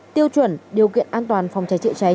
tiêu chuẩn điều kiện an toàn phòng cháy chữa cháy